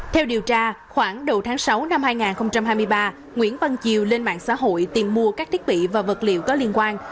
theo điều tra khoảng đầu tháng sáu năm hai nghìn hai mươi ba nguyễn văn chiều lên mạng xã hội tìm mua các thiết bị và vật liệu có liên quan